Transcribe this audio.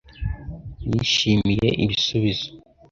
Yishimiye ibisubizo.